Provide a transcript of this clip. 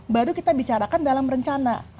baru kita bicarakan dalam rencana